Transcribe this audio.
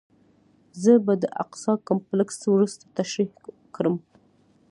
زه به د اقصی کمپلکس وروسته تشریح کړم.